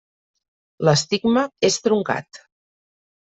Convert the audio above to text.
L'estigma és truncat.